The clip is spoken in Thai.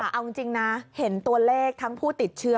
เอาจริงนะเห็นตัวเลขทั้งผู้ติดเชื้อ